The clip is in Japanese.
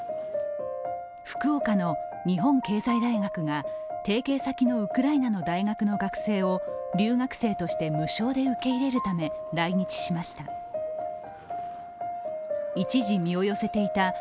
福岡の日本経済大学が提携先のウクライナの大学の学生を留学生として無償で受け入れるため来日しました。